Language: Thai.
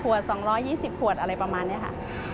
ช่วงเทศกาลหน้าเที่ยวหน้าอะไรอย่างนี้นะคะ